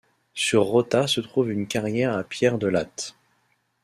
Sur Rota se trouve une carrière à pierres de latte.